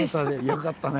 よかったね。